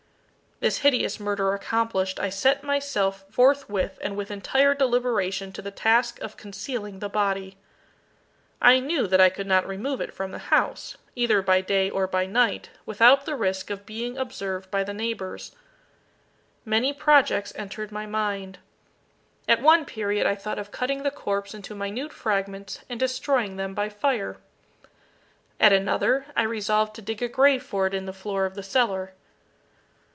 This hideous murder accomplished, I set myself forthwith and with entire deliberation to the task of concealing the body. I knew that I could not remove it from the house, either by day or by night, without the risk of being observed by the neighbours. Many projects entered my mind. At one period I thought of cutting the corpse into minute fragments and destroying them by fire. At another I resolved to dig a grave for it in the floor of the cellar.